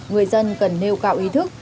người dân cần nêu cao ý thức